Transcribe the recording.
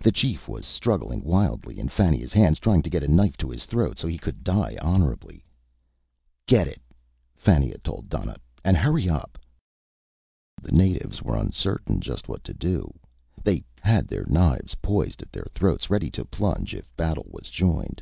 The chief was struggling wildly in Fannia's hands, trying to get a knife to his throat, so he could die honorably. "Get it," Fannia told Donnaught, "and hurry it up." The natives were uncertain just what to do. They had their knives poised at their throats, ready to plunge if battle was joined.